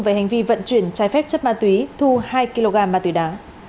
về hành vi vận chuyển trái phép chất ma túy thu hai kg ma túy đá